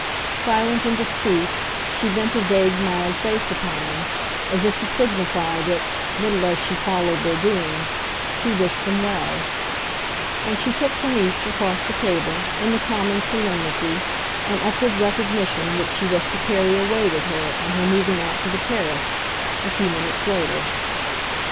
Silent and discreet, she bent a vague mild face upon them, as if to signify that, little as she followed their doings, she wished them well; and she took from each, across the table, in the common solemnity, an upward recognition which she was to carry away with her on her moving out to the terrace, a few minutes later.